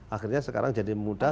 akhirnya sekarang jadi mudah